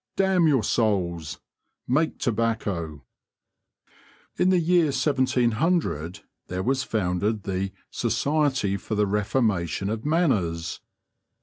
damn your souls! make tobacco!" In the year 1700 there was founded the Society for the Reformation of Manners.